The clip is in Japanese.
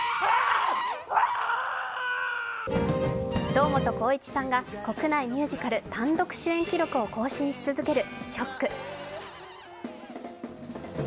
堂本光一さんが国内ミュージカル単独主演記録を更新し続ける「ＳＨＯＣＫ」。